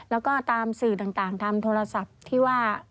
แล้วก็ตามสื่อต่างทำโทรศัพท์ที่ว่า